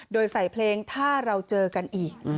โดยใส่เพลงถ้าเราเจอกันอีก